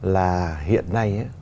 là hiện nay